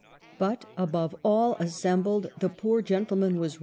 But, above all assembled, the poor gentleman was.